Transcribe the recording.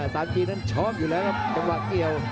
สามจีนนั้นชอบอยู่แล้วครับจังหวะเกี่ยว